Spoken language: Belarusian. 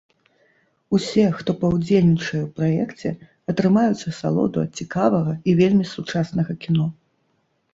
Усе, хто паўдзельнічае ў праекце, атрымаюць асалоду ад цікавага і вельмі сучаснага кіно.